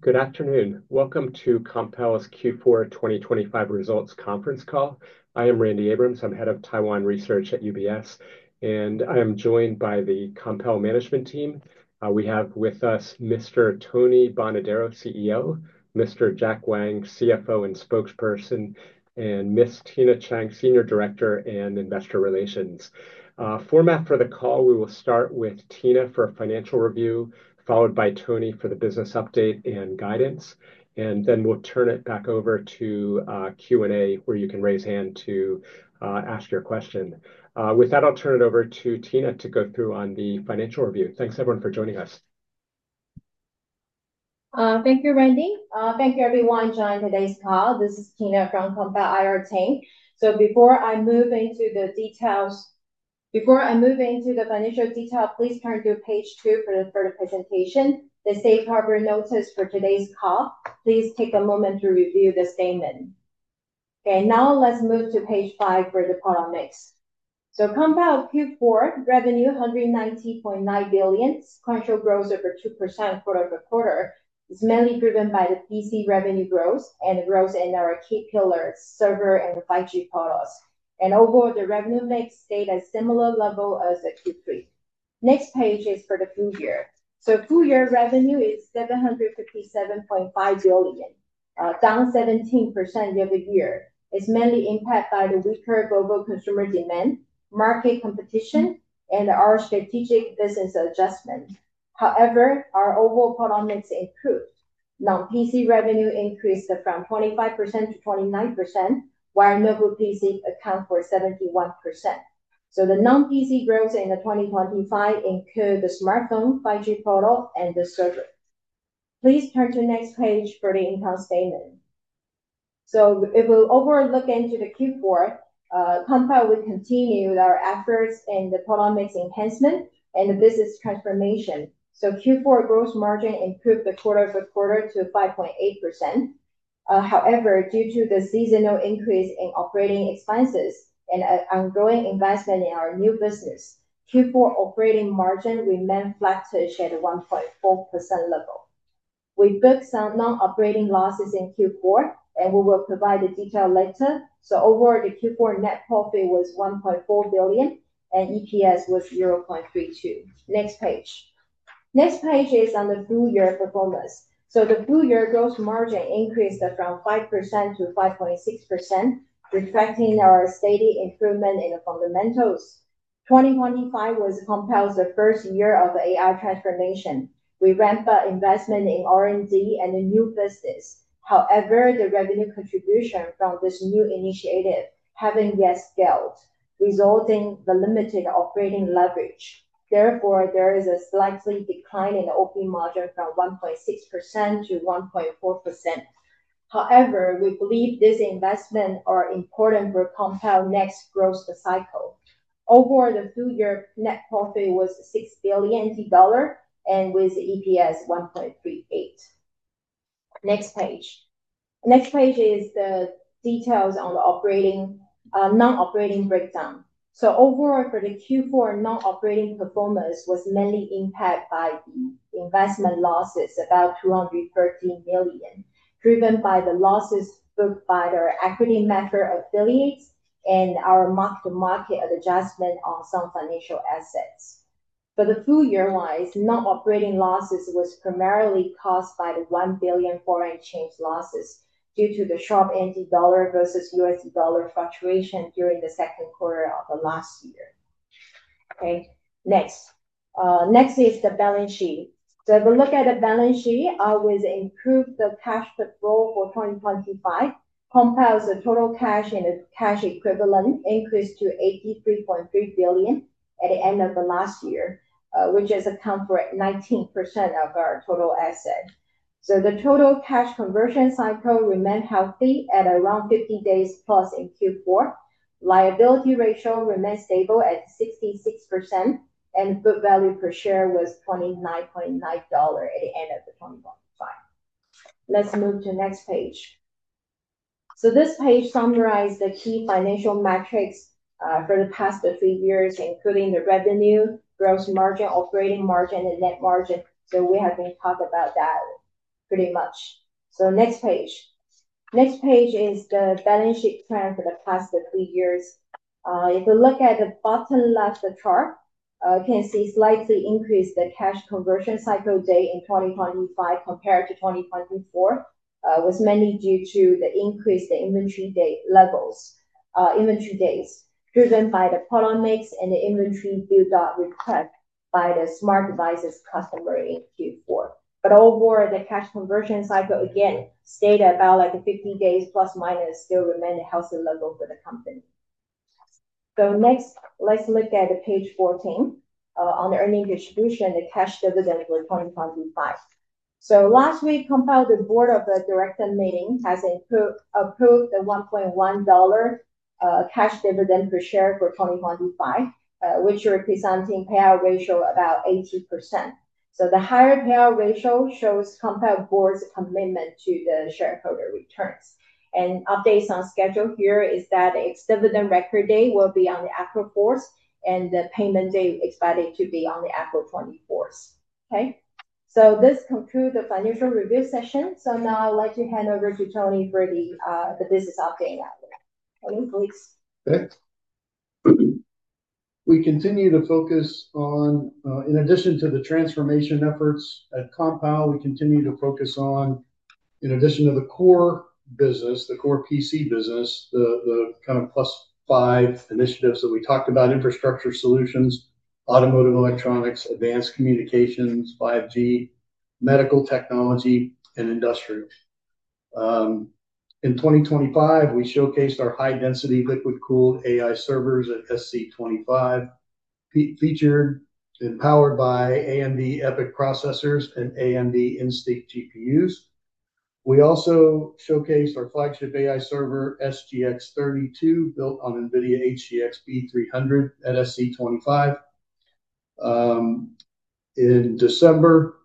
Good afternoon. Welcome to Compal's Q4 2025 results conference call. I am Randy Abrams. I'm Head of Taiwan Research at UBS, and I am joined by the Compal management team. We have with us Mr. Tony Bonadero, CEO, Mr. Jack Wang, CFO and Spokesperson, and Miss Tina Chang, Senior Director in Investor Relations. The format for the call, we will start with Tina for a financial review, followed by Tony for the business update and guidance, and then we'll turn it back over to Q&A, where you can raise hand to ask your question. With that, I'll turn it over to Tina to go through on the financial review. Thanks, everyone, for joining us. Thank you, Randy. Thank you, everyone joining today's call. This is Tina from Compal IR team. Before I move into the financial detail, please turn to page two for the presentation, the safe harbor notice for today's call. Please take a moment to review this statement. Okay, now let's move to page five for the product mix. Compal Q4 revenue, TWD 190.9 billion, 2% growth quarter-over-quarter. It's mainly driven by the PC revenue growth and the growth in our key pillar, server and 5G products. Overall, the revenue mix stayed at similar level as the Q3. Next page is for the full year. Full year revenue is 757.5 billion, down 17% year-over-year. It's mainly impacted by the weaker global consumer demand, market competition, and our strategic business adjustment. However, our overall product mix improved. Now, PC revenue increased from 25% to 29%, while mobile PC account for 71%. The non-PC growth in 2025 include the smartphone, 5G product and the server. Please turn to next page for the income statement. If we look over Q4, Compal will continue with our efforts in the product mix enhancement and the business transformation. Q4 gross margin improved quarter-over-quarter to 5.8%. However, due to the seasonal increase in operating expenses and ongoing investment in our new business, Q4 operating margin remained flattish at a 1.4% level. We booked some non-operating losses in Q4, and we will provide the detail later. Overall, the Q4 net profit was 1.4 billion, and EPS was 0.32. Next page. Next page is on the full year performance. The full year gross margin increased from 5% to 5.6%, reflecting our steady improvement in the fundamentals. 2025 was Compal's first year of AI transformation. We ramp up investment in R&D and the new business. However, the revenue contribution from this new initiative haven't yet scaled, resulting in the limited operating leverage. Therefore, there is a slight decline in the operating margin from 1.6% to 1.4%. However, we believe these investments are important for Compal's next growth cycle. Overall, the full year net profit was 6 billion dollars and with EPS 1.38. Next page. Next page is the details on the operating, non-operating breakdown. Overall, for the Q4 non-operating performance was mainly impacted by the investment losses, about 213 million, driven by the losses booked by their equity method affiliates and our mark-to-market adjustment on some financial assets. For the full year-wise, non-operating losses was primarily caused by the 1 billion foreign exchange losses due to the sharp NT dollar versus U.S. dollar fluctuation during the second quarter of the last year. Next is the balance sheet. If we look at the balance sheet, with improved the cash flow for 2025, Compal's total cash and its cash equivalent increased to 83.3 billion at the end of the last year, which is account for 19% of our total asset. The total cash conversion cycle remained healthy at around 50 days plus in Q4. Liability ratio remained stable at 66%, and book value per share was 29.9 dollars at the end of 2025. Let's move to next page. This page summarize the key financial metrics for the past three years, including the revenue, gross margin, operating margin, and net margin. We have been talked about that pretty much. Next page. Next page is the balance sheet trend for the past three years. If you look at the bottom left of the chart, you can see slightly increased the cash conversion cycle day in 2025 compared to 2024, was mainly due to the increased inventory day levels, inventory days, driven by the product mix and the inventory build up request by the smart devices customer in Q4. Overall, the cash conversion cycle again stayed about like 50 days plus minus, still remain a healthy level for the company. Next, let's look at page 14, on the earnings distribution, the cash dividend for 2025. Last week, Compal, the board of directors meeting has approved the 1.1 dollar cash dividend per share for 2025, which representing payout ratio about 80%. The higher payout ratio shows Compal board's commitment to the shareholder returns. Updates on schedule here is that its dividend record date will be on April 4th, and the payment date expected to be on April 24th. Okay. This conclude the financial review session. Now I would like to hand over to Tony for the business update now. Okay, please. We continue to focus on, in addition to the transformation efforts at Compal, in addition to the core business, the core PC business, the kind of plus five initiatives that we talked about, infrastructure solutions, automotive electronics, advanced communications, 5G, medical technology and industrial. In 2025, we showcased our high-density liquid-cooled AI servers at SC25, featured and powered by AMD EPYC processors and AMD Instinct GPUs. We also showcased our flagship AI server, SGX30-2, built on NVIDIA HGX B300 at SC25. In December,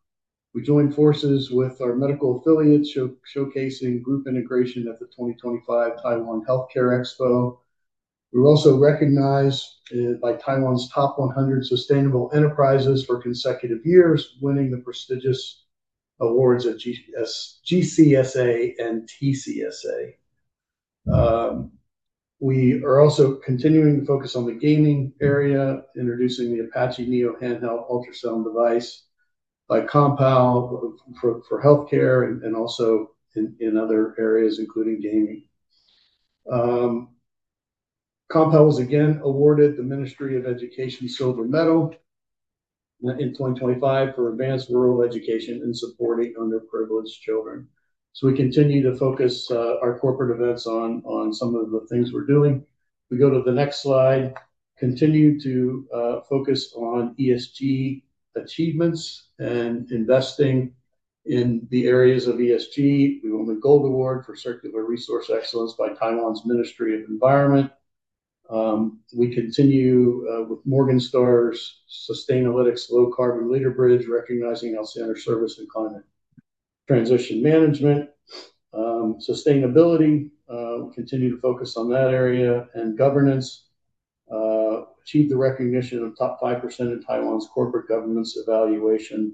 we joined forces with our medical affiliates showcasing group integration at the 2025 Taiwan Healthcare Expo. We were also recognized by Taiwan's top 100 sustainable enterprises for consecutive years, winning the prestigious awards at GCSA and TCSA. We are also continuing to focus on the gaming area, introducing the Apache Neo handheld ultrasound device by Compal for healthcare and also in other areas, including gaming. Compal was again awarded the Ministry of Education Silver Medal in 2025 for advanced rural education and supporting underprivileged children. We continue to focus our corporate events on some of the things we're doing. If we go to the next slide, continue to focus on ESG achievements and investing in the areas of ESG. We won the Gold Award for Circular Resource Excellence by Taiwan's Ministry of Environment. We continue with Morningstar Sustainalytics Low Carbon Leaders Badges, recognizing our sustainable service and climate transition management. Sustainability, we continue to focus on that area, and governance achieved the recognition of top 5% of Taiwan's corporate governance evaluation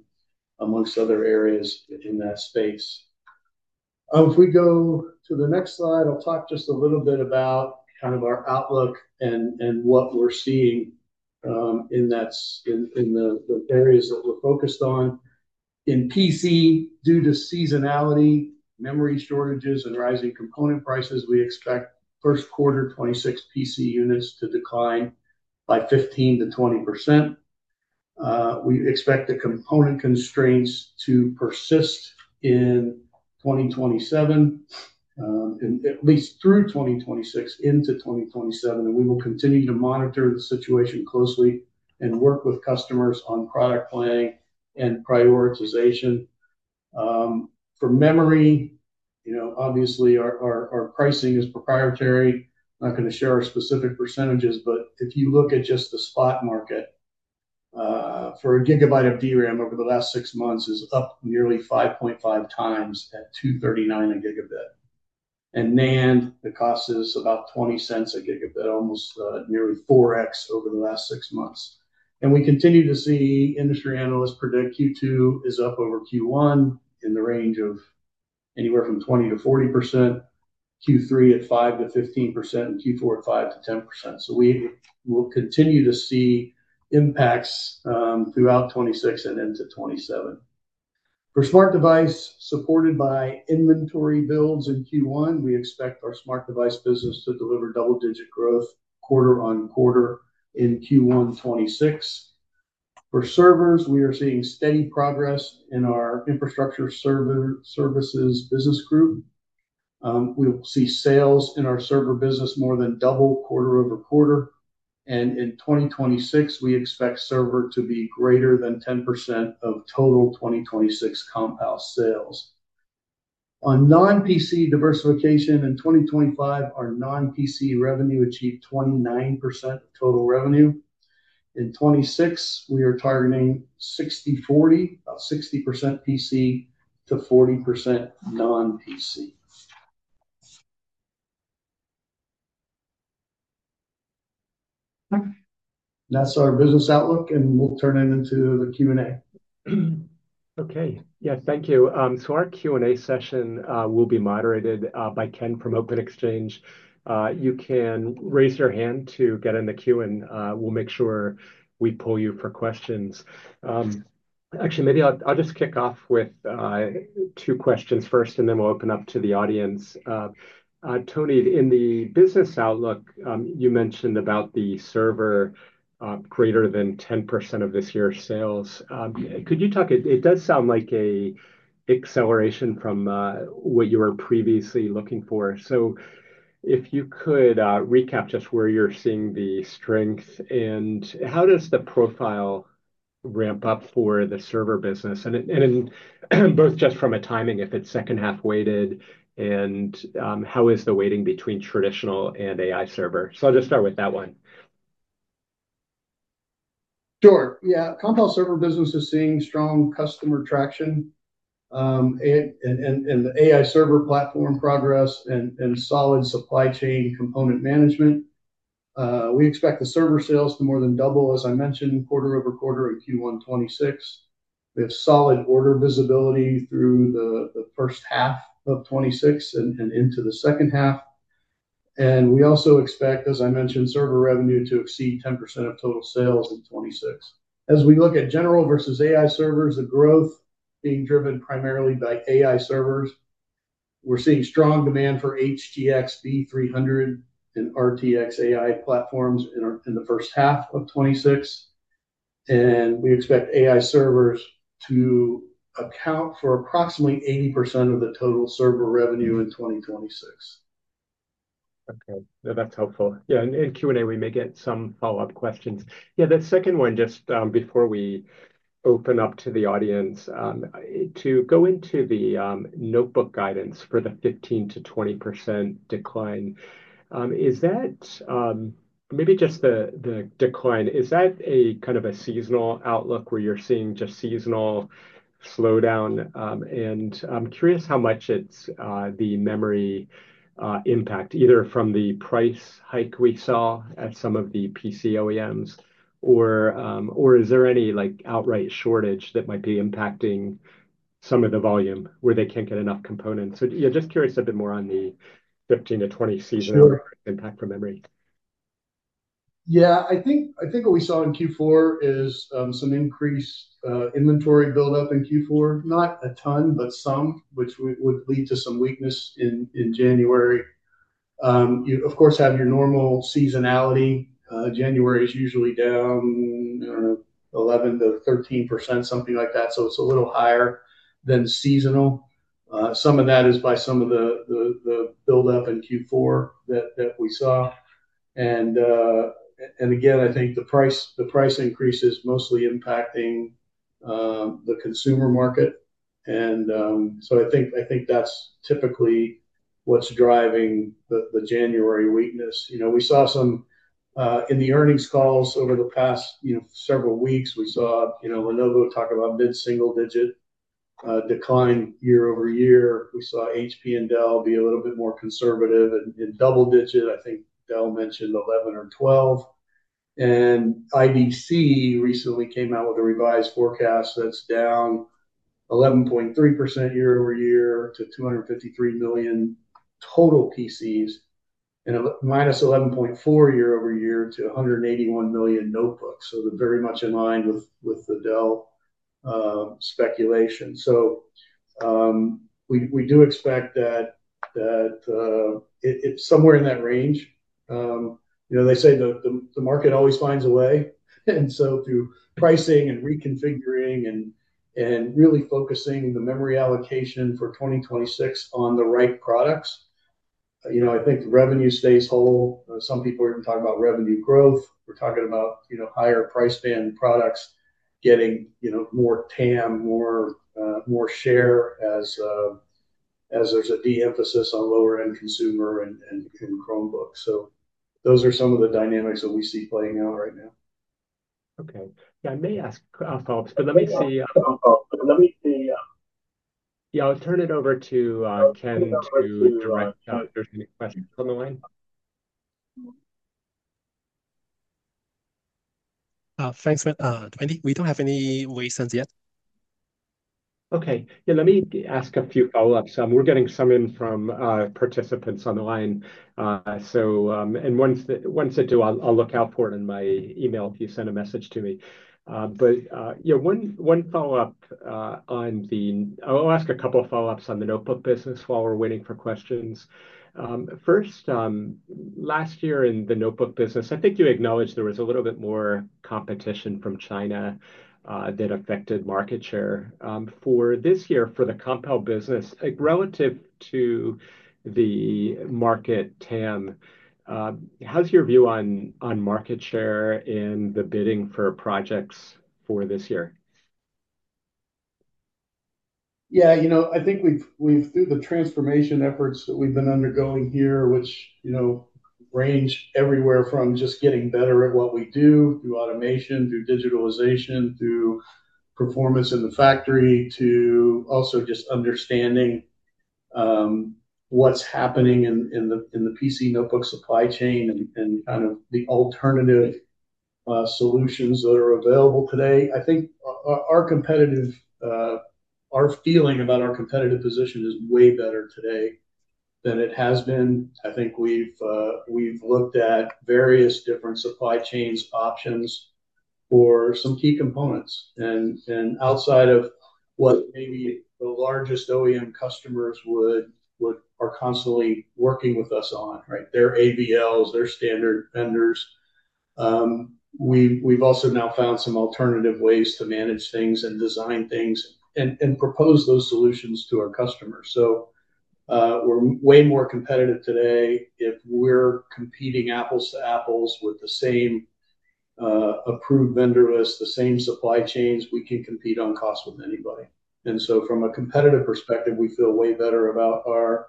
among other areas in that space. If we go to the next slide, I'll talk just a little bit about kind of our outlook and what we're seeing in the areas that we're focused on. In PC, due to seasonality, memory shortages, and rising component prices, we expect first quarter 2026 PC units to decline by 15%-20%. We expect the component constraints to persist in 2027, at least through 2026 into 2027, and we will continue to monitor the situation closely and work with customers on product planning and prioritization. For memory, you know, obviously our pricing is proprietary. Not gonna share our specific percentages, but if you look at just the spot market for a gigabyte of DRAM over the last six months is up nearly 5.5x at 239 Gb. NAND, the cost is about 0.20 Gb, almost nearly 4x over the last six months. We continue to see industry analysts predict Q2 is up over Q1 in the range of anywhere from 20%-40%, Q3 at 5%-15%, and Q4 at 5%-10%. We will continue to see impacts throughout 2026 and into 2027. For smart device, supported by inventory builds in Q1, we expect our smart device business to deliver double-digit growth quarter-on-quarter in Q1 2026. For servers, we are seeing steady progress in our infrastructure server services business group. We will see sales in our server business more than double quarter-over-quarter. In 2026, we expect server to be greater than 10% of total 2026 Compal sales. On non-PC diversification in 2025, our non-PC revenue achieved 29% of total revenue. In 2026, we are targeting 60%, 40%, about 60% PC to 40% non-PC. That's our business outlook, and we'll turn it into the Q&A. Okay. Yeah. Thank you. Our Q&A session will be moderated by Ken from OpenExchange. You can raise your hand to get in the queue, and we'll make sure we pull you for questions. Actually, maybe I'll just kick off with two questions first, and then we'll open up to the audience. Tony, in the business outlook, you mentioned about the server greater than 10% of this year's sales. Could you talk. It does sound like an acceleration from what you were previously looking for. If you could recap just where you're seeing the strength, and how does the profile ramp up for the server business. And both just from a timing, if it's second half weighted, and how is the weighting between traditional and AI server. Just start with that one. Sure. Yeah. Compal server business is seeing strong customer traction, and the AI server platform progress and solid supply chain component management. We expect the server sales to more than double, as I mentioned, quarter-over-quarter in Q1 2026. We have solid order visibility through the first half of 2026 and into the second half. We also expect, as I mentioned, server revenue to exceed 10% of total sales in 2026. As we look at general versus AI servers, the growth being driven primarily by AI servers. We're seeing strong demand for HGX B300 and RTX AI platforms in the first half of 2026, and we expect AI servers to account for approximately 80% of the total server revenue in 2026. Okay. No, that's helpful. Yeah. In Q&A, we may get some follow-up questions. Yeah. The second one, just before we open up to the audience, to go into the notebook guidance for the 15%-20% decline, is that maybe just the decline, is that a kind of a seasonal outlook where you're seeing just seasonal slowdown? And I'm curious how much it's the memory impact, either from the price hike we saw at some of the PC OEMs or is there any, like, outright shortage that might be impacting some of the volume where they can't get enough components? So yeah, just curious a bit more on the 15%-20% seasonal- Sure impact from memory. I think what we saw in Q4 is some increased inventory build-up in Q4. Not a ton, but some, which would lead to some weakness in January. You, of course, have your normal seasonality. January is usually down 11%-13%, something like that. It's a little higher than seasonal. Some of that is by some of the build-up in Q4 that we saw. Again, I think the price increase is mostly impacting the consumer market. I think that's typically what's driving the January weakness. You know, we saw some in the earnings calls over the past, you know, several weeks, we saw, you know, Lenovo talk about mid-single-digit year-over-year decline. We saw HP and Dell be a little bit more conservative in double-digit. I think Dell mentioned 11% or 12%. IDC recently came out with a revised forecast that's down 11.3% year-over-year to 253 million total PCs, and minus 11.4% year-over-year to 181 million notebooks. So they're very much in line with the Dell speculation. We do expect that it's somewhere in that range. You know, they say the market always finds a way. Through pricing and reconfiguring and really focusing the memory allocation for 2026 on the right products, you know, I think the revenue stays whole. Some people are even talking about revenue growth. We're talking about, you know, higher price band products getting, you know, more TAM, more share as there's a de-emphasis on lower end consumer and Chromebooks. Those are some of the dynamics that we see playing out right now. Okay. Yeah, I may ask a follow-up. Let me see, Let me see. Yeah, I'll turn it over to Ken to direct if there's any questions on the line. Thanks, Matt, Randy. We don't have any guidance yet. Okay. Yeah, let me ask a few follow-ups. We're getting some in from participants on the line. Once they do, I'll look out for it in my email if you send a message to me. One follow-up. I'll ask a couple of follow-ups on the notebook business while we're waiting for questions. First, last year in the notebook business, I think you acknowledged there was a little bit more competition from China that affected market share. For this year, for the Compal business, like relative to the market TAM, how's your view on market share in the bidding for projects for this year? You know, I think through the transformation efforts that we've been undergoing here, which, you know, range everywhere from just getting better at what we do through automation, through digitalization, through performance in the factory, to also just understanding what's happening in the PC notebook supply chain and kind of the alternative solutions that are available today. I think our feeling about our competitive position is way better today than it has been. I think we've looked at various different supply chain options for some key components. Outside of what maybe the largest OEM customers are constantly working with us on, right? Their AVLs, their standard vendors. We've also now found some alternative ways to manage things and design things and propose those solutions to our customers. We're way more competitive today. If we're competing apples to apples with the same approved vendor list, the same supply chains, we can compete on cost with anybody. From a competitive perspective, we feel way better about our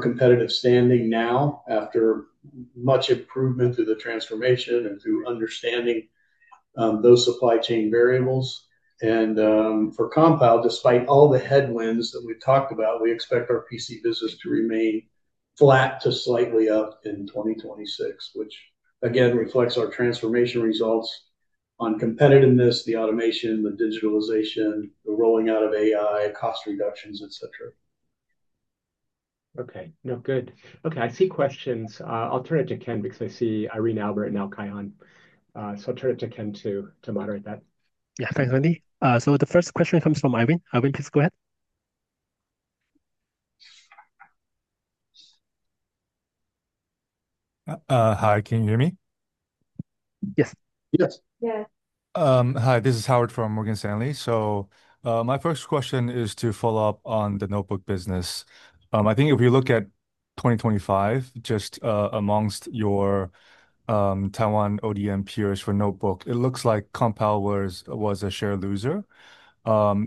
competitive standing now after much improvement through the transformation and through understanding those supply chain variables. For Compal, despite all the headwinds that we've talked about, we expect our PC business to remain flat to slightly up in 2026, which again reflects our transformation results on competitiveness, the automation, the digitalization, the rolling out of AI, cost reductions, et cetera. Okay. No, good. Okay, I see questions. I'll turn it to Ken because I see Irene, Albert, and now Kai Han. I'll turn it to Ken to moderate that. Yeah. Thanks, Randy. The first question comes from Irene. Irene, please go ahead. Hi. Can you hear me? Yes. Yes. Yes. Hi. This is Howard from Morgan Stanley. My first question is to follow up on the notebook business. I think if you look at 2025, just among your Taiwan ODM peers for notebook, it looks like Compal was a share loser.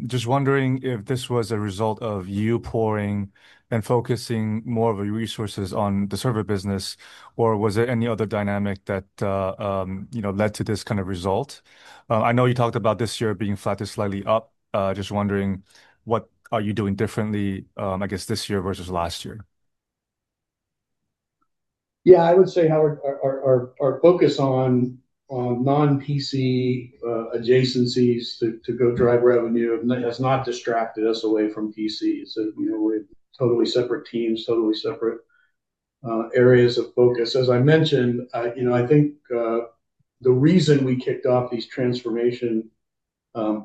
Just wondering if this was a result of you pouring and focusing more of your resources on the server business, or was there any other dynamic that you know led to this kind of result? I know you talked about this year being flat to slightly up, just wondering what are you doing differently, I guess this year versus last year? I would say, Howard, our focus on non-PC adjacencies to go drive revenue has not distracted us away from PCs. You know, we're totally separate teams, totally separate areas of focus. As I mentioned, you know, I think the reason we kicked off these transformation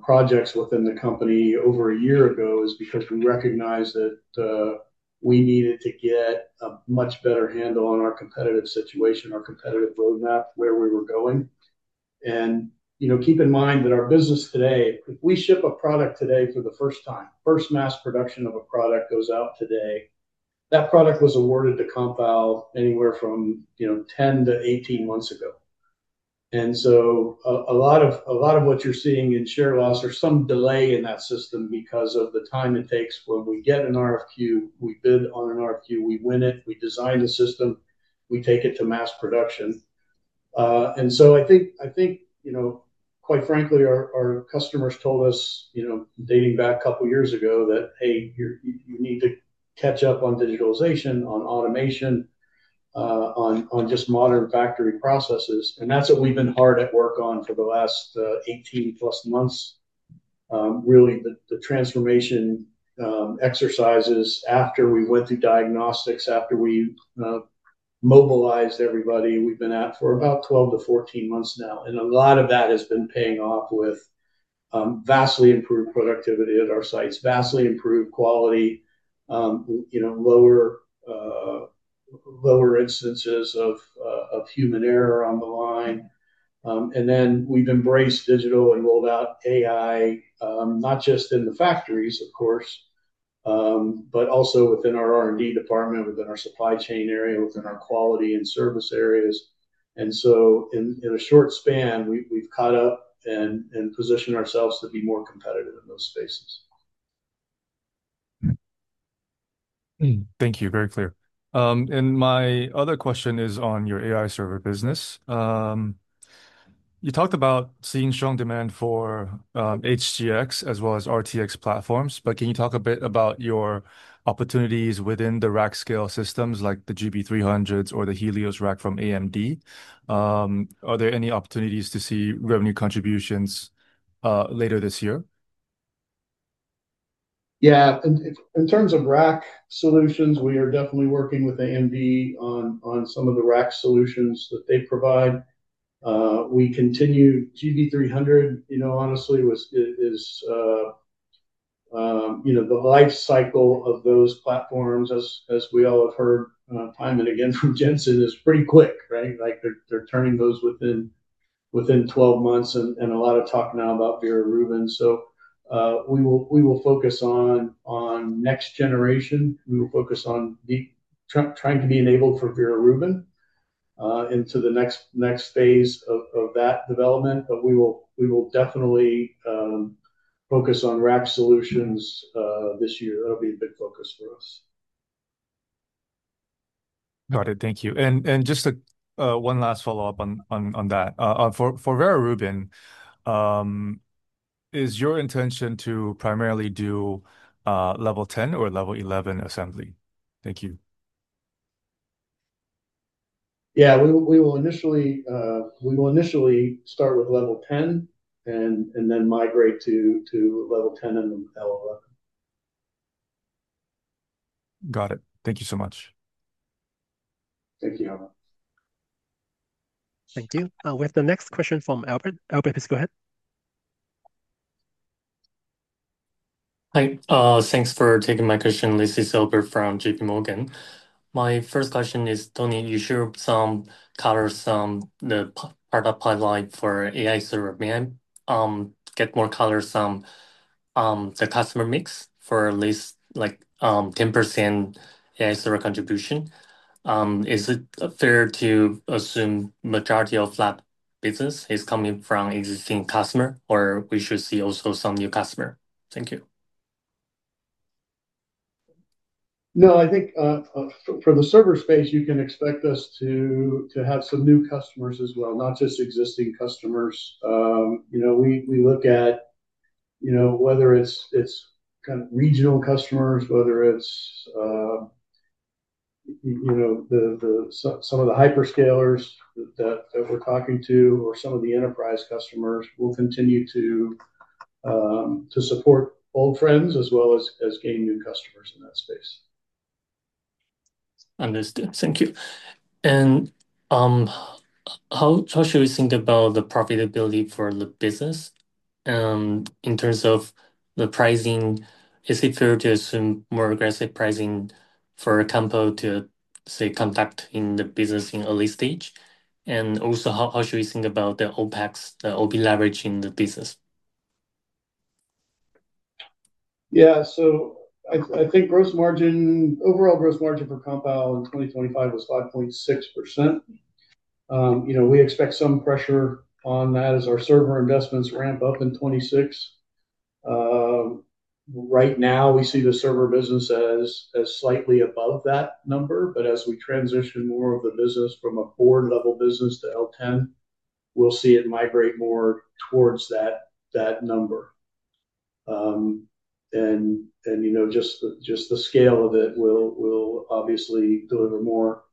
projects within the company over a year ago is because we recognized that we needed to get a much better handle on our competitive situation, our competitive roadmap, where we were going. You know, keep in mind that our business today, if we ship a product today for the first time, first mass production of a product goes out today, that product was awarded to Compal anywhere from 10-18 months ago. A lot of what you're seeing in share loss or some delay in that system because of the time it takes when we get an RFQ, we bid on an RFQ, we win it, we design the system, we take it to mass production. I think you know, quite frankly, our customers told us, you know, dating back a couple years ago that, "Hey, you need to catch up on digitalization, on automation, on just modern factory processes." That's what we've been hard at work on for the last 18-plus months. Really, the transformation exercises after we went through diagnostics, after we mobilized everybody, we've been at for about 12-14 months now. A lot of that has been paying off with vastly improved productivity at our sites, vastly improved quality, you know, lower instances of human error on the line. We've embraced digital and rolled out AI, not just in the factories, of course, but also within our R&D department, within our supply chain area, within our quality and service areas. In a short span, we've caught up and positioned ourselves to be more competitive in those spaces. Thank you. Very clear. My other question is on your AI server business. You talked about seeing strong demand for HGX as well as RTX platforms, but can you talk a bit about your opportunities within the rack-scale systems like the GB300s or the Helios rack from AMD? Are there any opportunities to see revenue contributions later this year? Yeah. In terms of rack solutions, we are definitely working with AMD on some of the rack solutions that they provide. We continue GB300, you know, honestly is the life cycle of those platforms as we all have heard time and again from Jensen, is pretty quick, right? Like they're turning those within 12 months and a lot of talk now about Vera Rubin. We will focus on next generation. We will focus on trying to be enabled for Vera Rubin into the next phase of that development. We will definitely focus on rack solutions this year. That'll be a big focus for us. Got it. Thank you. Just one last follow-up on that. For Vera Rubin, is your intention to primarily do level 10 or level 11 assembly? Thank you. Yeah. We will initially start with level 10 and then migrate to level 10 and level 11. Got it. Thank you so much. Thank you, Howard. Thank you. We have the next question from Albert. Albert, please go ahead. Hi. Thanks for taking my question. This is Albert from JPMorgan. My first question is, Tony, you showed some color, product pipeline for AI server mix. Get more color, the customer mix for at least 10% AI server contribution. Is it fair to assume majority of lab business is coming from existing customer, or we should see also some new customer? Thank you. No, I think for the server space, you can expect us to have some new customers as well, not just existing customers. You know, we look at you know whether it's kind of regional customers, whether it's you know some of the hyperscalers that we're talking to or some of the enterprise customers. We'll continue to support old friends as well as gain new customers in that space. Understood. Thank you. How should we think about the profitability for the business in terms of the pricing? Is it fair to assume more aggressive pricing for Compal to, say, capture the business in early stage? How should we think about the OpEx, the OpEx leverage in the business? Yeah. I think gross margin, overall gross margin for Compal in 2025 was 5.6%. You know, we expect some pressure on that as our server investments ramp up in 2026. Right now we see the server business as slightly above that number. As we transition more of the business from a board level business to L10, we'll see it migrate more towards that number. You know, just the scale of it will obviously deliver more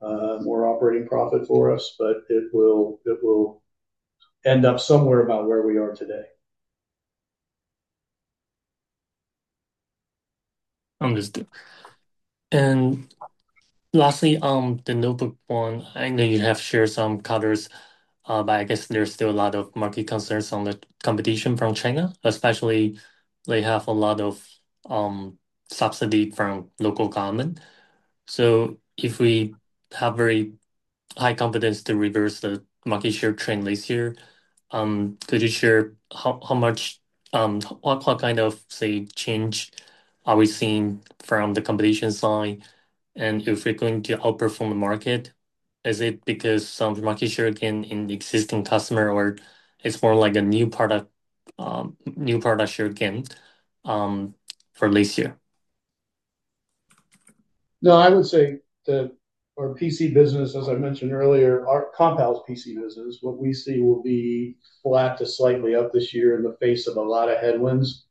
operating profit for us, but it will end up somewhere about where we are today. Understood. Lastly, the notebook one, I know you have shared some covers, but I guess there's still a lot of market concerns on the competition from China, especially they have a lot of subsidy from local government. If we have very high confidence to reverse the market share trend this year, could you share how much, what kind of, say, change are we seeing from the competition side? If we're going to outperform the market, is it because some market share gain in the existing customer or it's more like a new product share gain for this year? No, I would say that our PC business, as I mentioned earlier, our Compal's PC business, what we see will be flat to slightly up this year in the face of a lot of headwinds.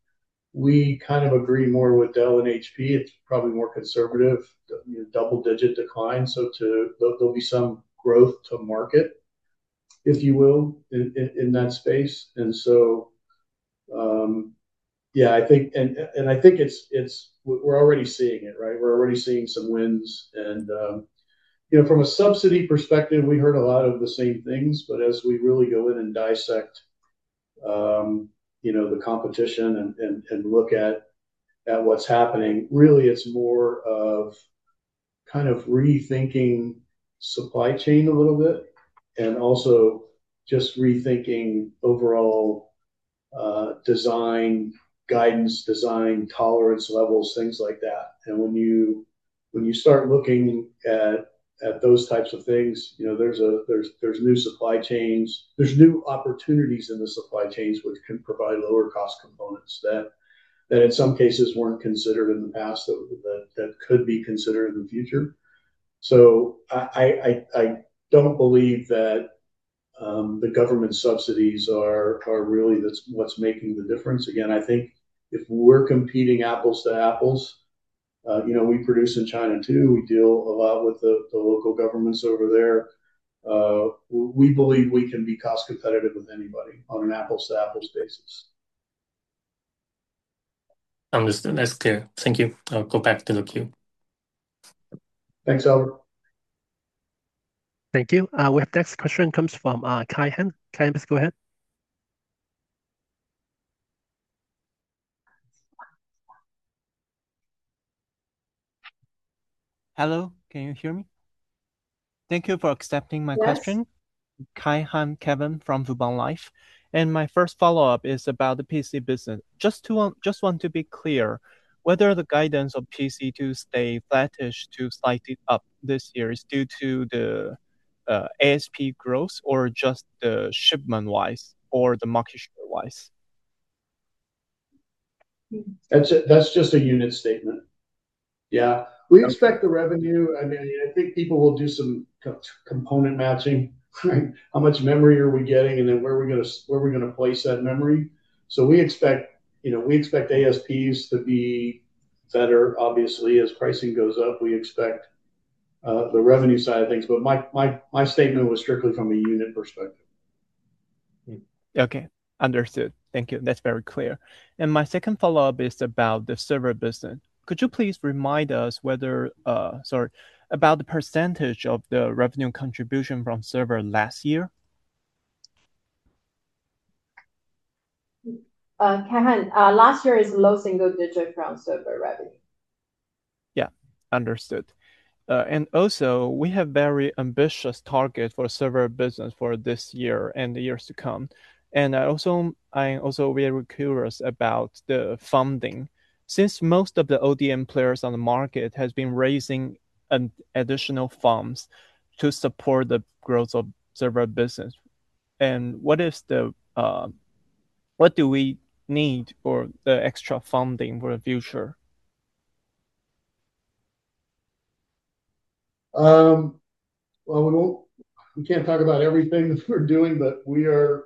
We kind of agree more with Dell and HP. It's probably more conservative, you know, double-digit decline. There'll be some growth to market, if you will, in that space. I think it's. We're already seeing it, right? We're already seeing some wins. You know, from a subsidy perspective, we heard a lot of the same things. As we really go in and dissect, you know, the competition and look at what's happening, really it's more of kind of rethinking supply chain a little bit and also just rethinking overall, design, guidance design, tolerance levels, things like that. When you start looking at those types of things, you know, there's new supply chains. There's new opportunities in the supply chains which can provide lower cost components that in some cases weren't considered in the past that could be considered in the future. I don't believe that the government subsidies are really that's what's making the difference. Again, I think if we're competing apples to apples, you know, we produce in China too. We deal a lot with the local governments over there. We believe we can be cost competitive with anybody on an apples to apples basis. Understood. That's clear. Thank you. I'll go back to the queue. Thanks, Albert. Thank you. We have the next question comes from Kai Han. Kai Han, please go ahead. Hello, can you hear me? Thank you for accepting my question. Kai Han from Fubon Life. My first follow-up is about the PC business. Just want to be clear whether the guidance of PC to stay flattish to slightly up this year is due to the ASP growth or just the shipment-wise or the market share-wise. That's just a unit statement. Yeah. We expect the revenue. I mean, I think people will do some co-component matching, right? How much memory are we getting and then where are we gonna place that memory? We expect, you know, we expect ASPs to be better obviously as pricing goes up. We expect the revenue side of things. My statement was strictly from a unit perspective. Okay. Understood. Thank you. That's very clear. My second follow-up is about the server business. Could you please remind us about the percentage of the revenue contribution from server last year? Kai Han, last year is low single-digit from server revenue. Yeah. Understood. We have very ambitious target for server business for this year and the years to come. I also very curious about the funding. Since most of the ODM players on the market has been raising an additional funds to support the growth of server business. What do we need for the extra funding for the future? Well, we can't talk about everything that we're doing, but we are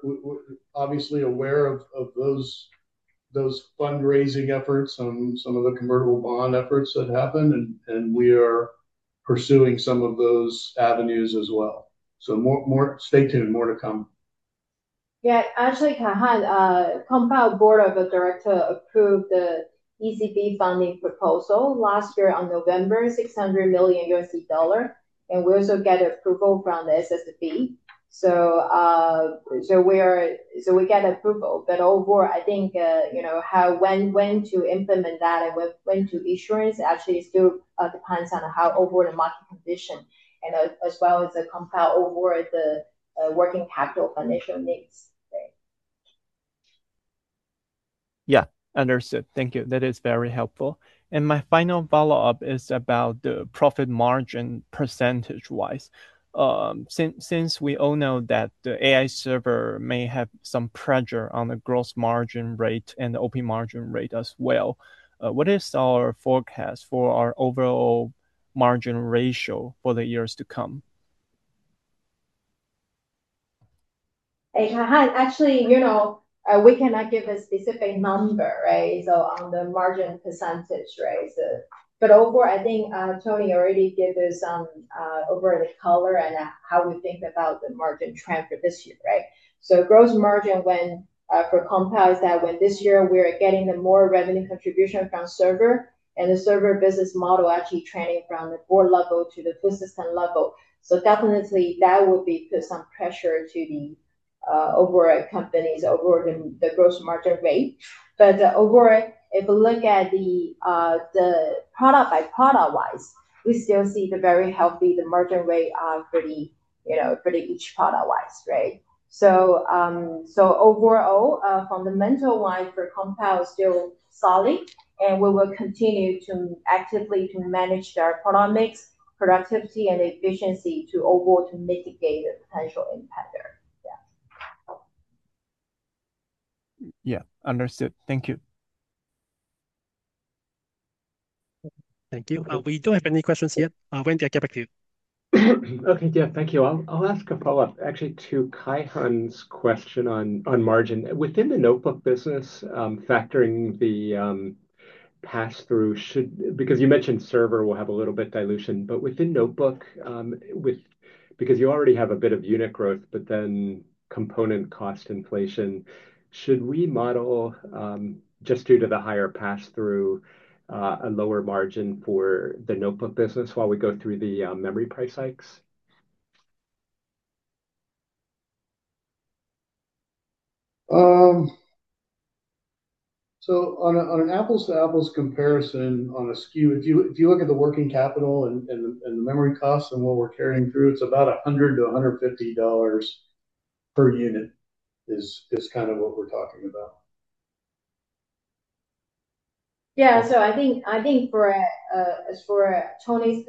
obviously aware of those fundraising efforts on some of the convertible bond efforts that happened, and we are pursuing some of those avenues as well. Stay tuned, more to come. Yeah. Actually, Kai Han, Compal Board of Directors approved the ECB funding proposal last year in November, $600 million, and we also get approval from the FSC. We get approval. Overall, I think, you know, how, when to implement that and when to issue it actually still depends on how overall the market condition and as well as the Compal overall, the working capital financial needs, right? Yeah. Understood. Thank you. That is very helpful. My final follow-up is about the profit margin percentage-wise. Since we all know that the AI server may have some pressure on the gross margin rate and the OP margin rate as well, what is our forecast for our overall margin ratio for the years to come? Hey, Kai Han, actually, you know, we cannot give a specific number, right, so on the margin percentage, right? Overall, I think, Tony already gave you some overall color on how we think about the margin trend for this year, right? Gross margin, when for Compal this year we are getting the more revenue contribution from server, and the server business model actually trending from the core level to the full system level. Definitely, that will be put some pressure to the overall company's gross margin rate. Overall, if you look at the product by product wise, we still see the very healthy margin rate for each product wise, right? Overall, fundamentals-wise for Compal is still solid, and we will continue to actively manage their product mix, productivity, and efficiency overall to mitigate the potential impact there. Yeah. Yeah. Understood. Thank you. Thank you. We don't have any questions yet. Randy, I'll get back to you. Okay. Yeah. Thank you. I'll ask a follow-up actually to Kai Han's question on margin. Within the notebook business, factoring the pass-through should, because you mentioned server will have a little bit dilution, but within notebook, because you already have a bit of unit growth, but then component cost inflation, should we model just due to the higher pass-through a lower margin for the notebook business while we go through the memory price hikes? On an apples-to-apples comparison on a SKU, if you look at the working capital and the memory costs and what we're carrying through, it's about $100-$150 per unit is kind of what we're talking about. Yeah. I think as for Tony's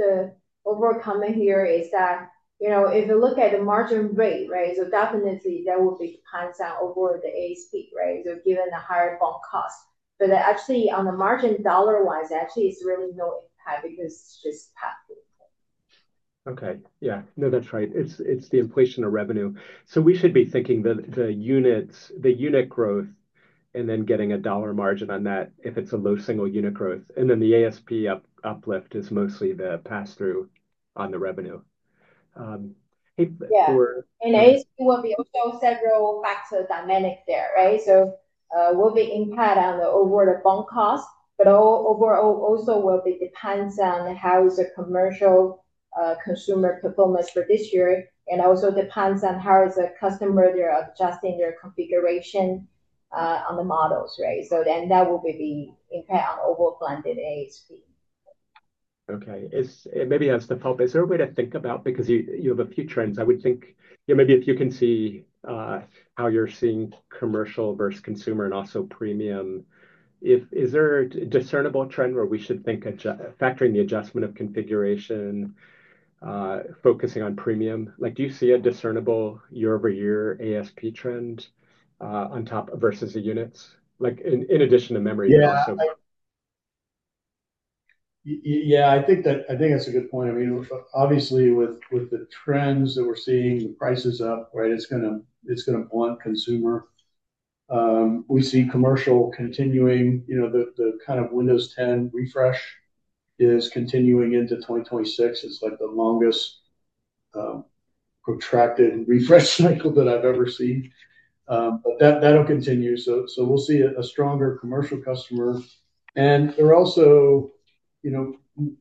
overall comment here is that, you know, if you look at the margin rate, right? Definitely there will be downside overall to the ASP, right? Given the higher BOM cost. Actually, on the margin dollar-wise, actually it's really no impact because it's just pass-through. Okay. Yeah. No, that's right. It's the inflation of revenue. We should be thinking the units, unit growth, and then getting a dollar margin on that if it's a low single unit growth, and then the ASP uplift is mostly the pass-through on the revenue. In ASP will be also several factor dynamic there, right? Will be impact on the overall BOM cost, but overall also will be depends on how is the commercial consumer performance for this year, and also depends on how is the customer they're adjusting their configuration on the models, right? That will be the impact on overall blended ASP. Is there a way to think about, because you have a few trends, I would think, you know, maybe if you can see how you're seeing commercial versus consumer and also premium. Is there a discernible trend where we should think factoring the adjustment of configuration, focusing on premium? Like, do you see a discernible year-over-year ASP trend, on top of versus the units, like in addition to memory also? Yeah, I think that's a good point. I mean, obviously, with the trends that we're seeing, the price is up, right? It's gonna blunt consumer. We see commercial continuing, you know, the kind of Windows 10 refresh is continuing into 2026. It's like the longest protracted refresh cycle that I've ever seen. But that'll continue. We'll see a stronger commercial customer. They're also, you know,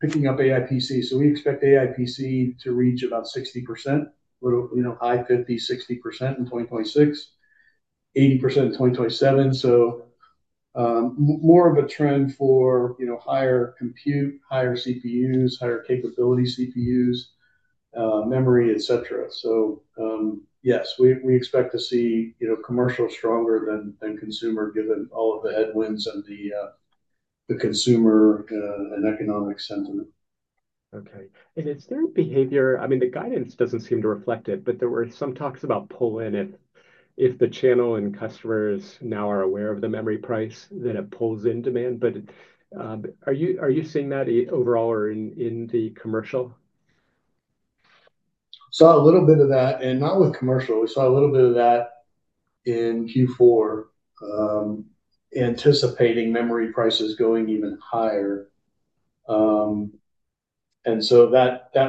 picking up AI PC. We expect AI PC to reach about 60%, or, you know, high 50%, 60% in 2026, 80% in 2027. More of a trend for, you know, higher compute, higher CPUs, higher capability CPUs, memory, etc. Yes, we expect to see, you know, commercial stronger than consumer, given all of the headwinds and the consumer and economic sentiment. Okay. Is there behavior? I mean, the guidance doesn't seem to reflect it, but there were some talks about pull-in, if the channel and customers now are aware of the memory price, then it pulls in demand. Are you seeing that overall or in the commercial? Saw a little bit of that and not with commercial. We saw a little bit of that in Q4, anticipating memory prices going even higher. That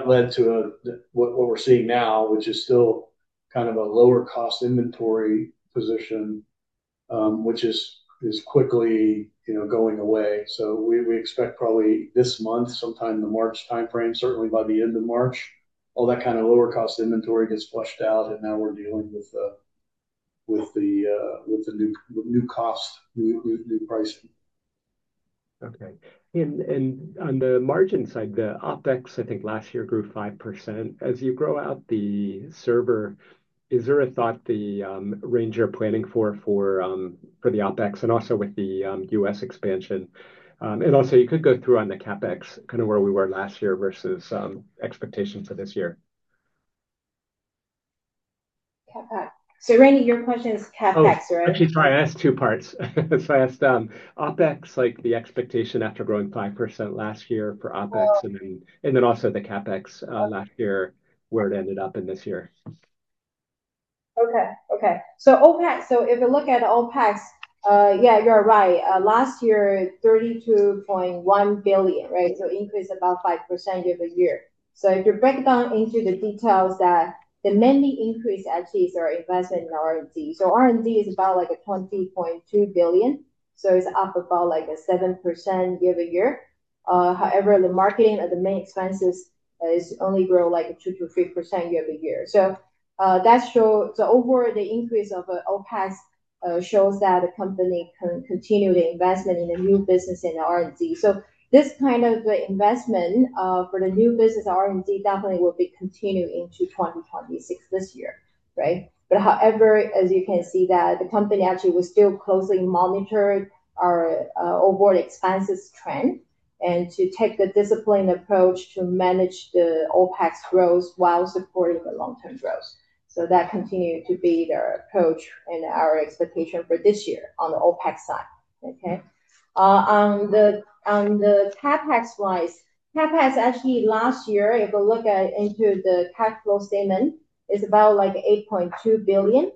led to what we're seeing now, which is still kind of a lower cost inventory position, which is quickly, you know, going away. We expect probably this month, sometime in the March timeframe, certainly by the end of March, all that kind of lower cost inventory gets flushed out, and now we're dealing with the new cost, new pricing. Okay. On the margin side, the OpEx I think last year grew 5%. As you grow out the server, is there a thought on the range you're planning for the OpEx and also with the U.S. expansion? You could go through on the CapEx, kind of where we were last year versus expectations for this year. CapEx. Randy, your question is CapEx, right? Actually, sorry, I asked two parts. I asked, OpEx, like the expectation after growing 5% last year for OpEx. Oh. Also the CapEx last year, where it ended up and this year. Okay. OpEx, if you look at OpEx, you're right. Last year, 32.1 billion, right? Increase about 5% year-over-year. If you break down into the details that the mainly increase actually is our investment in R&D. R&D is about like a 20.2 billion, so it's up about like a 7% year-over-year. However, the marketing and the main expenses is only grow like 2%-3% year-over-year. That shows. Overall, the increase of OpEx shows that the company can continue the investment in the new business in the R&D. This kind of investment for the new business R&D definitely will be continuing to 2026 this year, right? However, as you can see that the company actually will still closely monitor our overall expenses trend, and to take the disciplined approach to manage the OpEx growth while supporting the long-term growth. That continue to be their approach and our expectation for this year on the OpEx side. Okay? On the CapEx side, CapEx actually last year, if you look into the cash flow statement, is about like 8.2 billion,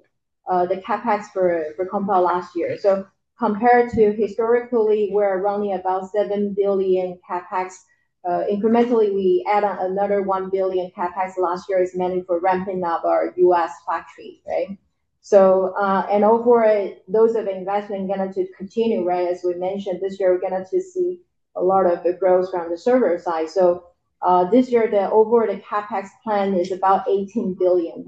the CapEx for Compal last year. Compared to historically, we're running about 7 billion CapEx. Incrementally, we add another 1 billion CapEx last year is mainly for ramping up our U.S. factory, right? And overall, those are the investment going to continue, right? As we mentioned this year, we're going to see a lot of the growth from the server side. This year, the overall CapEx plan is about 18 billion.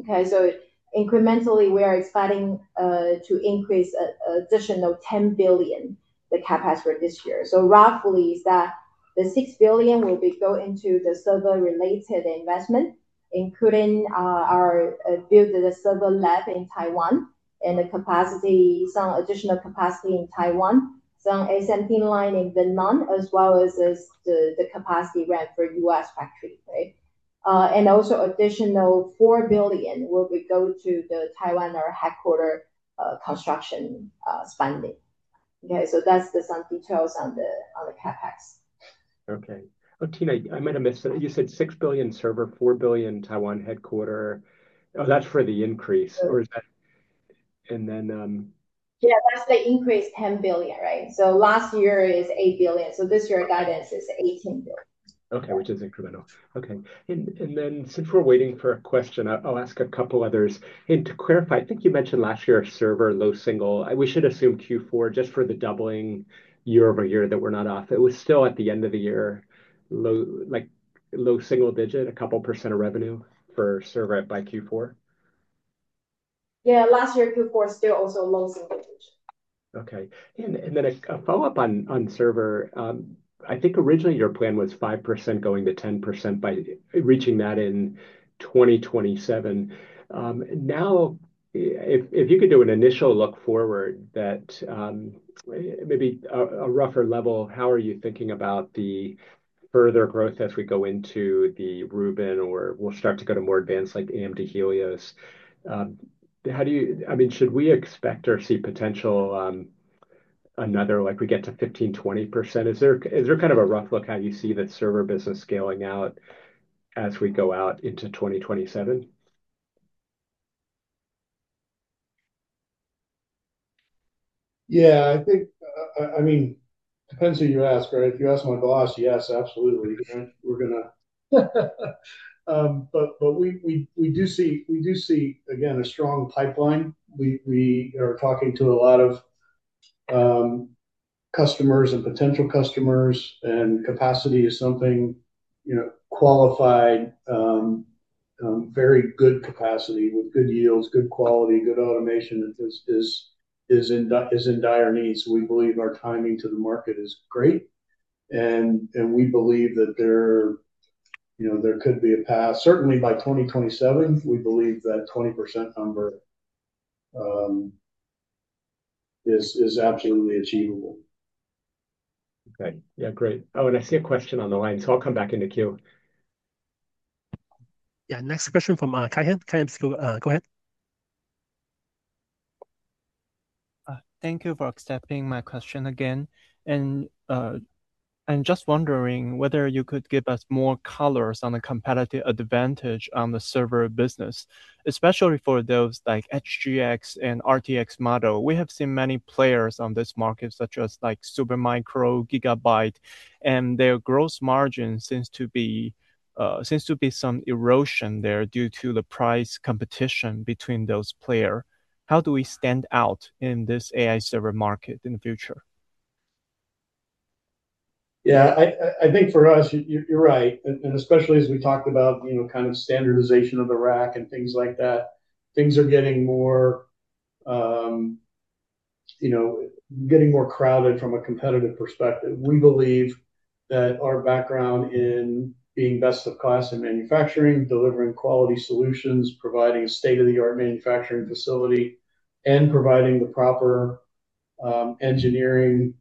Okay? Incrementally, we are expecting to increase an additional 10 billion, the CapEx for this year. Roughly, the 6 billion will go into the server-related investment, including our building the server lab in Taiwan and the capacity, some additional capacity in Taiwan, some SMT line in Vietnam, as well as the capacity ramp for U.S. factory. Right? And also additional 4 billion will go to Taiwan, our headquarters construction spending. Okay? That's some details on the CapEx. Okay. Oh, Tina, I might have missed it. You said 6 billion server, 4 billion Taiwan headquarters. Oh, that's for the increase. Yeah. Or is that... And then, um- Yeah. That's the increase, 10 billion, right? Last year is 8 billion. This year guidance is 18 billion. Okay. Which is incremental. Okay. Since we're waiting for a question, I'll ask a couple others. To clarify, I think you mentioned last year server low single. We should assume Q4 just for the doubling year-over-year that we're not off. It was still at the end of the year, low, like low single digit, a couple percent of revenue for server by Q4? Yeah. Last year, Q4 still also low single-digit percent. Okay. Then a follow-up on server. I think originally your plan was 5% going to 10% by reaching that in 2027. Now if you could do an initial look forward that, maybe a rougher level, how are you thinking about the further growth as we go into the Vera Rubin, or we'll start to go to more advanced like AMD Helios. How do you, I mean, should we expect or see potential, another like we get to 15%-20%? Is there kind of a rough look how you see that server business scaling out as we go out into 2027? Yeah. I think, I mean, depends who you ask, right? If you ask my boss, yes, absolutely. We're gonna, but we do see again, a strong pipeline. We are talking to a lot of customers and potential customers, and capacity is something, you know, qualified, very good capacity with good yields, good quality, good automation is in dire need. So we believe our timing to the market is great. We believe that there, you know, there could be a path, certainly by 2027, we believe that 20% number is absolutely achievable. Okay. Yeah, great. Oh, I see a question on the line, so I'll come back in the queue. Yeah, next question from Kai Han. Kai Han, go ahead. Thank you for accepting my question again. I'm just wondering whether you could give us more colors on the competitive advantage on the server business, especially for those like HGX and RTX model. We have seen many players on this market, such as like Supermicro, Gigabyte, and their gross margin seems to be some erosion there due to the price competition between those player. How do we stand out in this AI server market in the future? Yeah. I think for us, you're right, and especially as we talked about, you know, kind of standardization of the rack and things like that, things are getting more, you know, getting more crowded from a competitive perspective. We believe that our background in being best of class in manufacturing, delivering quality solutions, providing state-of-the-art manufacturing facility, and providing the proper engineering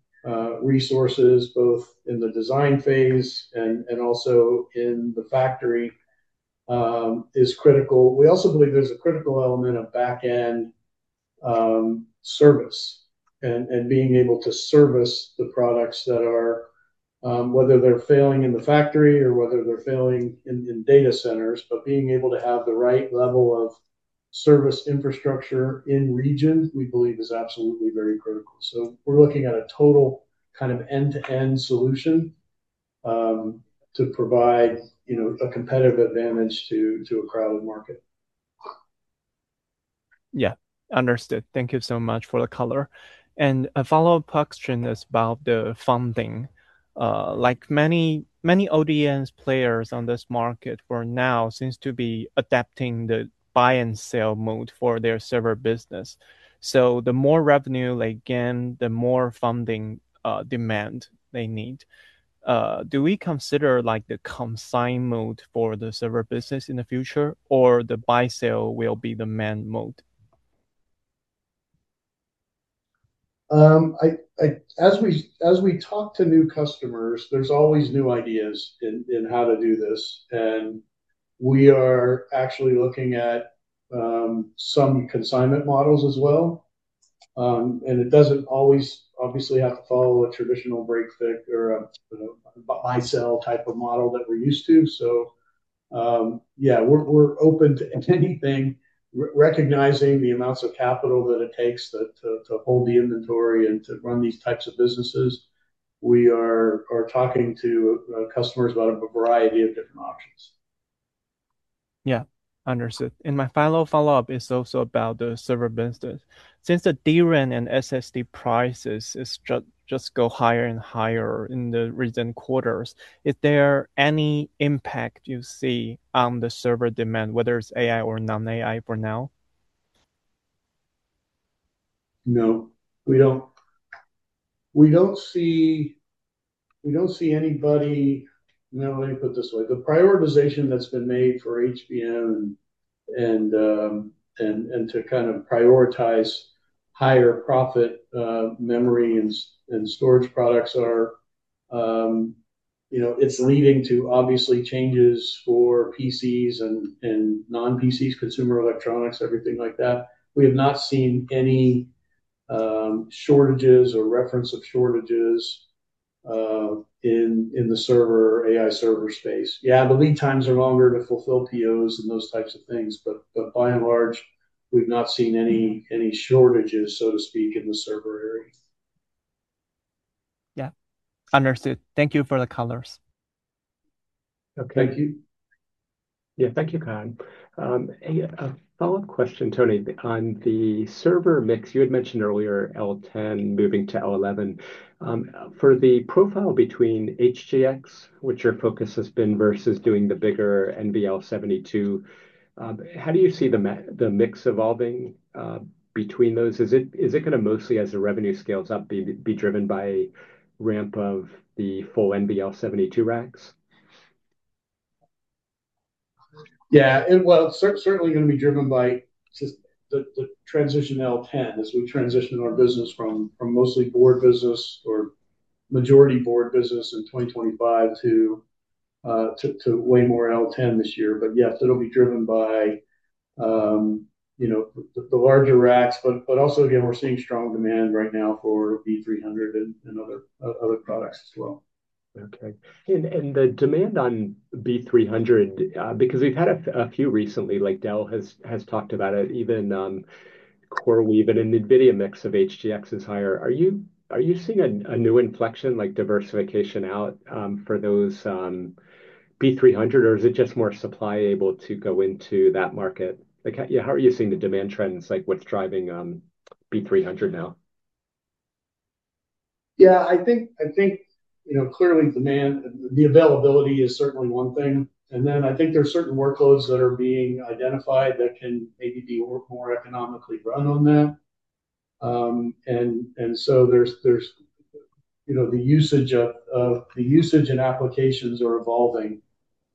resources, both in the design phase and also in the factory, is critical. We also believe there's a critical element of back-end service and being able to service the products that are whether they're failing in the factory or whether they're failing in data centers. Being able to have the right level of service infrastructure in region, we believe is absolutely very critical. We're looking at a total kind of end-to-end solution to provide, you know, a competitive advantage to a crowded market. Yeah. Understood. Thank you so much for the color. A follow-up question is about the funding. Like many, many ODMs players on this market for now seems to be adapting the buy and sell mode for their server business. The more revenue they gain, the more funding, demand they need. Do we consider like the consign mode for the server business in the future, or the buy-sell will be the main mode? As we talk to new customers, there's always new ideas in how to do this, and we are actually looking at some consignment models as well. It doesn't always obviously have to follow a traditional break-fix or buy-sell type of model that we're used to. We're open to anything. Recognizing the amounts of capital that it takes to hold the inventory and to run these types of businesses. We are talking to customers about a variety of different options. Yeah. Understood. My final follow-up is also about the server business. Since the DRAM and SSD prices are just going higher and higher in the recent quarters, is there any impact you see on the server demand, whether it's AI or non-AI for now? No. We don't see anybody. Now, let me put it this way. The prioritization that's been made for HBM and to kind of prioritize higher-profit memory and storage products are leading to obvious changes for PCs and non-PCs, consumer electronics, everything like that. We have not seen any shortages or reports of shortages in the server, AI server space. Yeah, the lead times are longer to fulfill POs and those types of things, but by and large, we've not seen any shortages, so to speak, in the server area. Yeah. Understood. Thank you for the colors. Okay. Thank you. Yeah. Thank you, Kai Han. A follow-up question, Tony. On the server mix, you had mentioned earlier L10 moving to L11. For the profile between HGX, which your focus has been versus doing the bigger NVL72, how do you see the mix evolving between those? Is it gonna mostly, as the revenue scales up, be driven by ramp of the full NVL72 racks? Yeah. Well, certainly gonna be driven by just the transition to L10 as we transition our business from mostly board business or majority board business in 2025 to way more L10 this year. Yes, it'll be driven by you know the larger racks, but also again, we're seeing strong demand right now for B300 and other products as well. The demand on B300, because we've had a few recently, like Dell has talked about it, even CoreWeave and NVIDIA mix of HGX is higher. Are you seeing a new inflection like diversification out for those B300, or is it just more supply able to go into that market? Like, how are you seeing the demand trends, like what's driving B300 now? Yeah. I think you know, clearly, demand, the availability is certainly one thing, and then I think there's certain workloads that are being identified that can maybe be more economically run on that. You know, the usage and applications are evolving,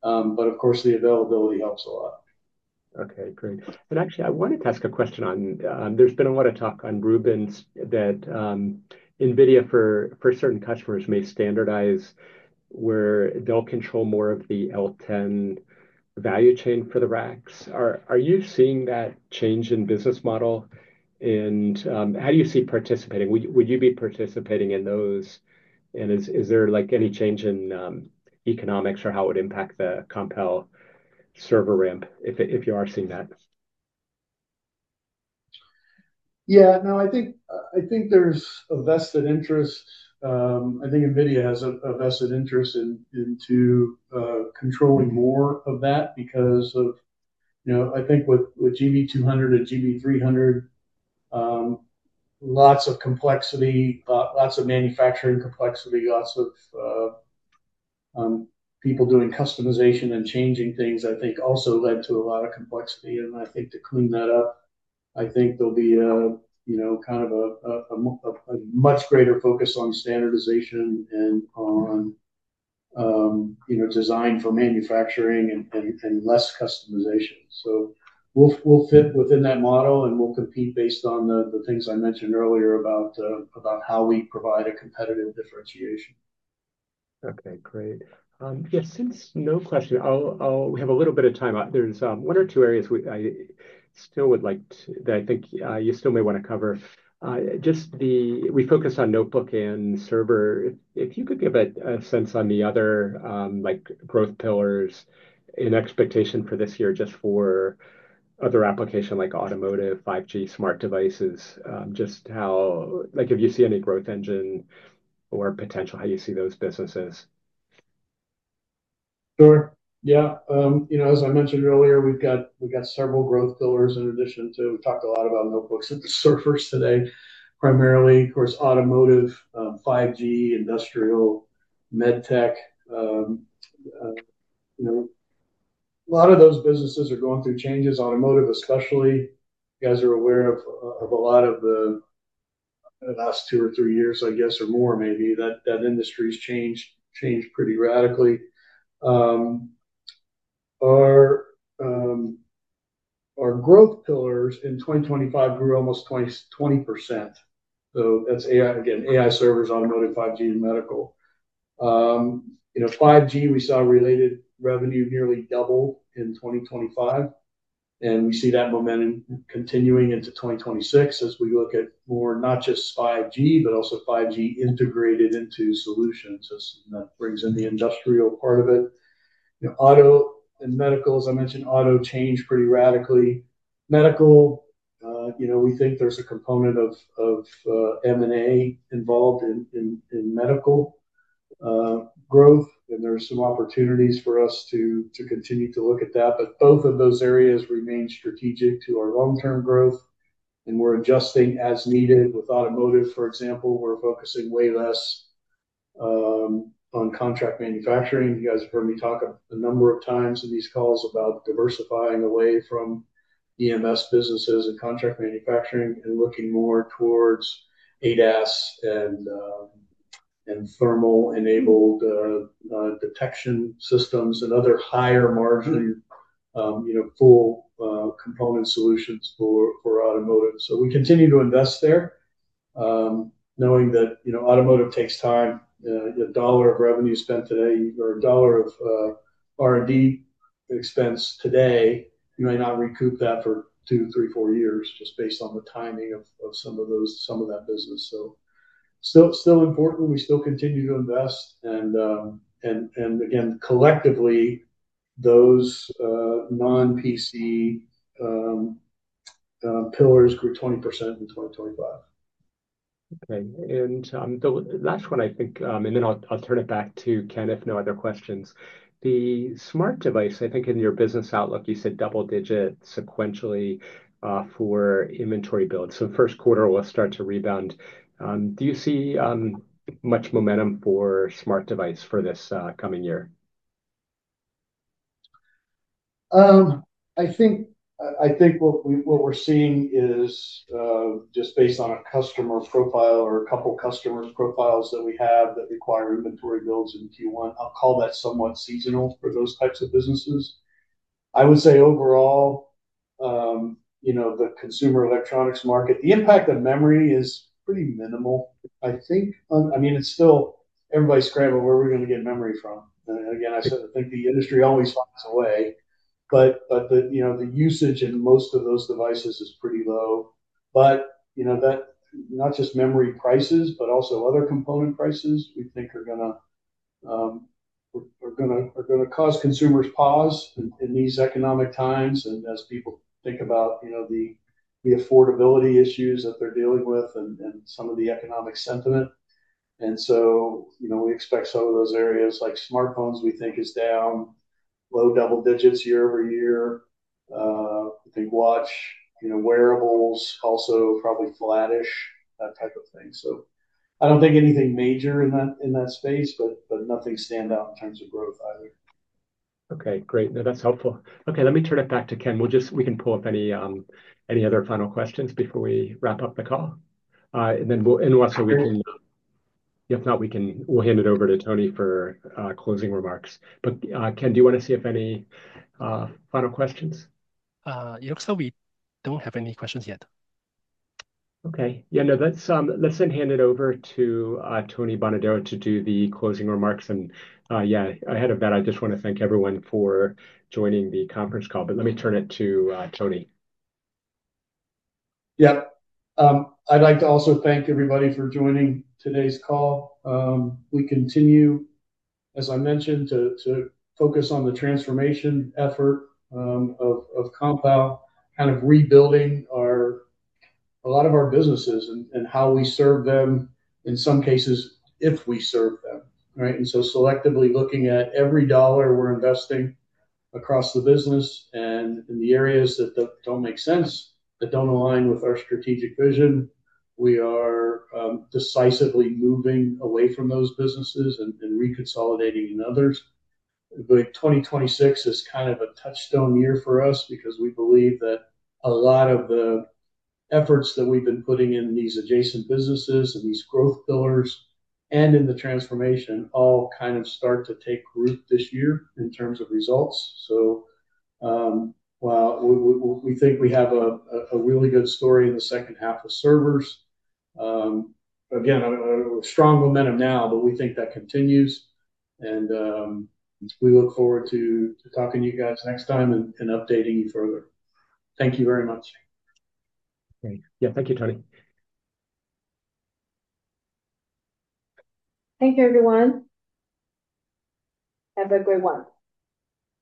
but of course, the availability helps a lot. Okay, great. Actually, I wanted to ask a question on Vera Rubin’s that NVIDIA for certain customers may standardize where they'll control more of the L10 value chain for the racks. Are you seeing that change in business model? How do you see participating? Would you be participating in those? Is there like any change in economics or how it would impact the Compal server ramp if you are seeing that? Yeah. No, I think there's a vested interest. I think NVIDIA has a vested interest into controlling more of that because of, you know, I think with GB200 and GB300, lots of complexity, lots of manufacturing complexity, lots of people doing customization and changing things, I think also led to a lot of complexity. I think to clean that up, I think there'll be a, you know, kind of a much greater focus on standardization and on, you know, design for manufacturing and less customization. We'll fit within that model, and we'll compete based on the things I mentioned earlier about how we provide a competitive differentiation. Okay, great. We have a little bit of time. There's one or two areas that I think you still may wanna cover. We focus on notebook and server. If you could give a sense on the other like growth pillars and expectations for this year just for other applications like automotive, 5G, smart devices, just how like if you see any growth engine or potential, how you see those businesses. Sure. Yeah. You know, as I mentioned earlier, we've got several growth pillars in addition to. We talked a lot about notebooks and servers today, primarily, of course, automotive, 5G, industrial, med tech. You know, a lot of those businesses are going through changes, automotive especially. You guys are aware of a lot of the last two or three years, I guess, or more maybe, that industry's changed pretty radically. Our growth pillars in 2025 grew almost 20%. That's AI, again, AI servers, automotive, 5G, and medical. You know, 5G, we saw related revenue nearly double in 2025, and we see that momentum continuing into 2026 as we look at more not just 5G, but also 5G integrated into solutions. That brings in the industrial part of it. You know, auto and medical, as I mentioned, auto changed pretty radically. Medical, you know, we think there's a component of M&A involved in medical growth, and there are some opportunities for us to continue to look at that. Both of those areas remain strategic to our long-term growth, and we're adjusting as needed. With automotive, for example, we're focusing way less on contract manufacturing. You guys have heard me talk a number of times in these calls about diversifying away from EMS businesses and contract manufacturing and looking more towards ADAS and thermal-enabled detection systems and other higher margin, you know, full component solutions for automotive. We continue to invest there, knowing that, you know, automotive takes time. A dollar of revenue spent today or a dollar of R&D expense today, you may not recoup that for two, three, four years just based on the timing of some of that business. Still important. We still continue to invest and again, collectively, those non-PC pillars grew 20% in 2025. Okay. The last one, I think, and then I'll turn it back to Ken if no other questions. The smart device, I think in your business outlook, you said double digit sequentially for inventory build. First quarter will start to rebound. Do you see much momentum for smart device for this coming year? I think what we're seeing is just based on a customer profile or a couple customers profiles that we have that require inventory builds in Q1. I'll call that somewhat seasonal for those types of businesses. I would say overall, you know, the consumer electronics market, the impact of memory is pretty minimal. I think, I mean, it's still everybody's scrambling where we're gonna get memory from. I said, I think the industry always finds a way, but the, you know, the usage in most of those devices is pretty low. You know, that's not just memory prices, but also other component prices we think are gonna cause consumers pause in these economic times and as people think about you know the affordability issues that they're dealing with and some of the economic sentiment. You know, we expect some of those areas like smartphones, we think is down low double digits year over year. I think watches, you know, wearables also probably flattish, that type of thing. I don't think anything major in that space, but nothing stand out in terms of growth either. Okay, great. No, that's helpful. Okay, let me turn it back to Ken. We can pull up any other final questions before we wrap up the call. And then we'll hand it over to Tony for closing remarks. Ken, do you wanna see if any final questions? It looks like we don't have any questions yet. Okay. Yeah. No, let's then hand it over to Tony Bonadero to do the closing remarks and yeah, ahead of that, I just wanna thank everyone for joining the conference call. Let me turn it to Tony. Yeah. I'd like to also thank everybody for joining today's call. We continue, as I mentioned, to focus on the transformation effort of Compal, kind of rebuilding a lot of our businesses and how we serve them, in some cases, if we serve them, right? Selectively looking at every dollar we're investing across the business and in the areas that don't make sense, that don't align with our strategic vision. We are decisively moving away from those businesses and reconsolidating in others. 2026 is kind of a touchstone year for us because we believe that a lot of the efforts that we've been putting in these adjacent businesses and these growth pillars and in the transformation all kind of start to take root this year in terms of results. Well, we think we have a really good story in the second half with servers. Again, a strong momentum now, but we think that continues and we look forward to talking to you guys next time and updating you further. Thank you very much. Great. Yeah. Thank you, Tony. Thank you, everyone. Have a great one.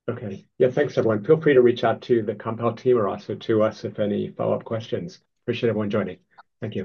Okay. Yeah. Thanks, everyone. Feel free to reach out to the Compal team or also to us if any follow-up questions. Appreciate everyone joining. Thank you.